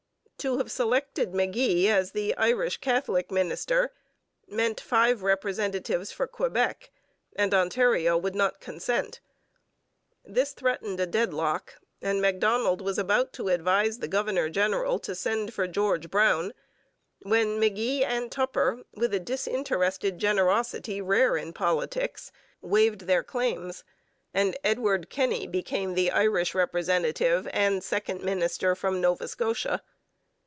To have selected McGee as the Irish Catholic minister meant five representatives for Quebec, and Ontario would not consent. This threatened a deadlock, and Macdonald was about to advise the governor general to send for George Brown, when McGee and Tupper, with a disinterested generosity rare in politics, waived their claims, and Edward Kenny became the Irish representative and second minister from Nova Scotia.